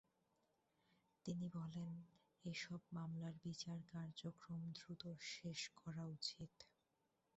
তিনি বলেন, এসব মামলার বিচার কার্যক্রম দ্রুত শেষ শেষ করা উচিত।